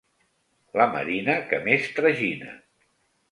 La marina que més tragina.